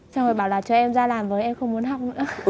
xong rồi bảo là cho em ra làm với em không muốn học nữa